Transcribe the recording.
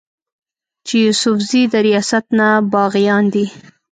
چې يوسفزي د رياست نه باغيان دي